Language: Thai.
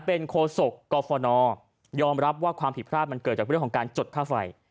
เป็นโคศกกฟนยอมรับว่าความผิดพลาดมันเกิดจากเรื่องของการจดค่าไฟ